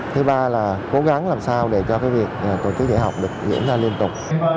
thứ ba là cố gắng làm sao để cho việc tổ chức dạy học được diễn ra liên tục